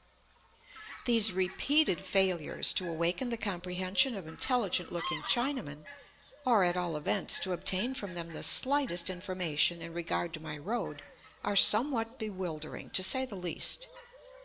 These repeated failures to awaken the comprehension of intelligent looking Chinamen, or, at all events, to obtain from them the slightest information in regard to my road, are somewhat bewildering, to say the least.